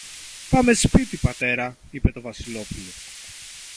Πάμε σπίτι, πατέρα, είπε το Βασιλόπουλο